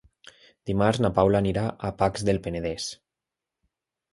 Dimarts na Paula anirà a Pacs del Penedès.